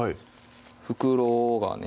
袋がね